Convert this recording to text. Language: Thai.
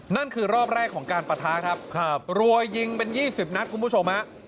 นั่นคือรอบแรกของการปะทะครับรัวยิงเป็น๒๐นัดคุณผู้ชมฮะ